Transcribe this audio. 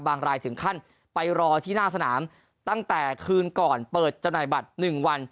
รายถึงขั้นไปรอที่หน้าสนามตั้งแต่คืนก่อนเปิดจำหน่ายบัตร๑วัน